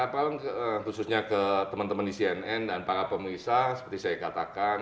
selamat malam khususnya ke teman teman di cnn dan para pemirsa seperti saya katakan